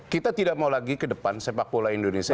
kita tidak mau lagi ke depan sepak bola indonesia